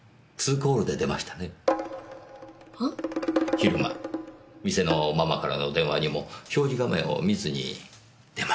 昼間店のママからの電話にも表示画面を見ずに出ました。